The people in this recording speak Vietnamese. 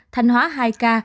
thanh hóa hai ca